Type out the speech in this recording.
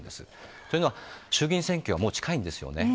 というのは、衆議院選挙はもう近いんですよね。